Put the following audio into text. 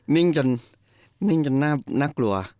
นิ่งจนงงจนนาอกลัว